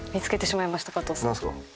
何すか？